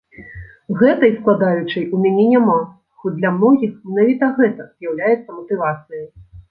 Гэтай складаючай у мяне няма, хоць для многіх менавіта гэта з'яўляецца матывацыяй.